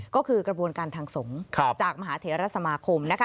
ก็คือกระบวนการทางสงฆ์จากมหาเทรสมาคมนะคะ